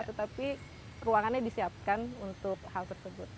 tetapi ruangannya disiapkan untuk hal tersebut